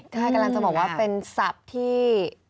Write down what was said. ใช่กำลังจะบอกว่าเป็นศัพท์ที่